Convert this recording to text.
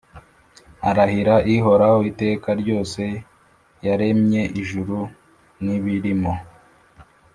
arahira Ihoraho iteka ryose yaremye ijuru n’ibirimo,